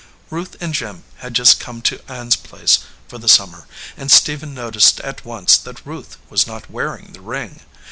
Ruth and Jim had just come to Ann s place for the sum mer, and Stephen noticed at once that Ruth was not wearing the ring.